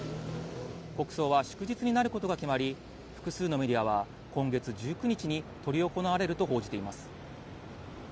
国葬は祝日になることが決まり、複数のメディアは今月１９日に執り行われると報じています。